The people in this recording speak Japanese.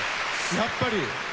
やっぱり。